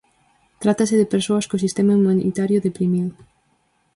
Trátase de persoas co sistema inmunitario deprimido.